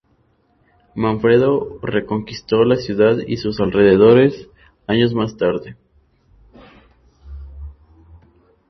Manfredo reconquistó la ciudad y sus alrededores dos años más tarde.